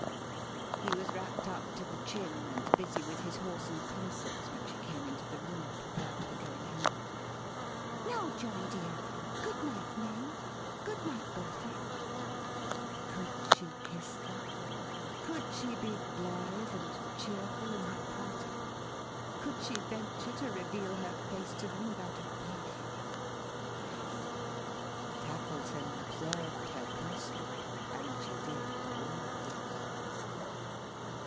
He was wrapped up to the chin, and busy with his horse and parcels, when she came into the room, prepared for going home. "Now John, dear! Good night May! Good night Bertha!" Could she kiss them? Could she be blithe and cheerful in her parting? Could she venture to reveal her face to them without a blush? Yes. Tackleton observed her closely; and she did all this.